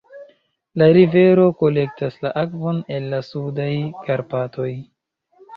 La rivero kolektas la akvon el la Sudaj Karpatoj.